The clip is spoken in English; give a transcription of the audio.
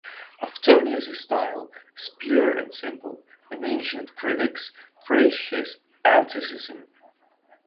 Aphthonius' style is pure and simple, and ancient critics praise his Atticism.